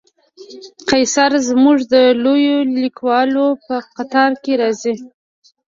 قیصر زموږ د لویو لیکوالو په قطار کې راځي.